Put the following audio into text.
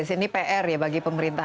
ini pr ya bagi pemerintah